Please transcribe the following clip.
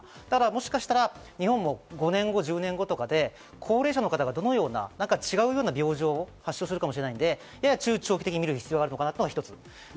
もしかしたら日本も５年後、１０年後とかで、高齢者の方がどのような、違うような病状を発症するかもしれないので、やや中長期的に見る必要があるかなとも思います。